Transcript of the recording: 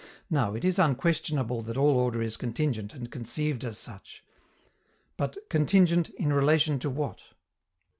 Now, it is unquestionable that all order is contingent, and conceived as such. But contingent in relation to what?